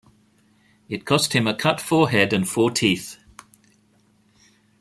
It cost him a cut forehead and four teeth.